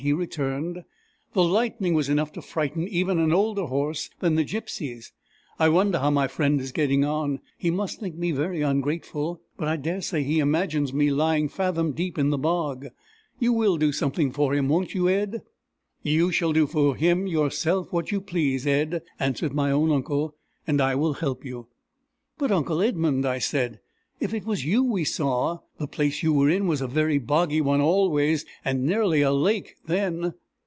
he returned. "The lightning was enough to frighten even an older horse than the gypsy's. I wonder how my friend is getting on! He must think me very ungrateful! But I daresay he imagines me lying fathom deep in the bog. You will do something for him, won't you, Ed?" "You shall do for him yourself what you please, Ed," answered my own uncle, "and I will help you." "But, uncle Edmund," I said, "if it was you we saw, the place you were in was a very boggy one always, and nearly a lake then!"